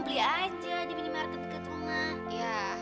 ya ampun rani